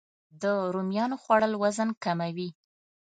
د رومیانو خوړل وزن کموي